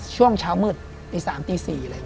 ช่วงเช้ามืดปี๓ตี๔